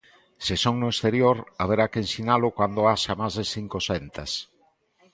Se son no exterior, haberá que ensinalo cando haxa máis de cincocentas.